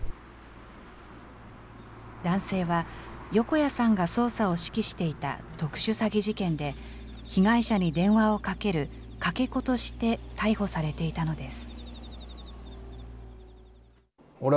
男性は横家さんが捜査を指揮していた特殊詐欺事件で、被害者に電話をかけるかけ子として逮捕されていたのです。